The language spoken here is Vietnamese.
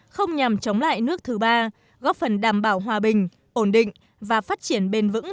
không nhằm chống lại nước thứ ba góp phần đảm bảo hòa bình ổn định và phát triển bền vững